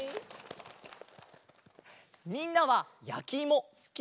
みんなはやきいもすき？